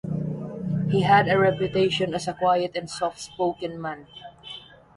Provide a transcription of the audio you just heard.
He had a reputation as a quiet and soft-spoken man.